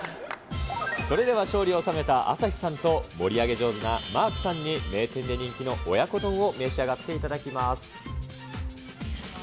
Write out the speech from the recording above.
それでは勝利を収めた朝日さんと、盛り上げ上手なマークさんに、名店で人気の親子丼を召し上がっていただきます。